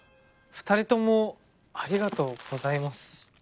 ２人ともありがとうございます。